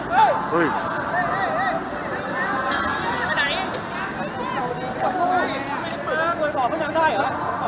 จากนี้จากการเรียนรับเป็นที่สุดที่ไม่ควรต้องการประกอบอาทิตย์คืออาหารที่มีกลางชีวิต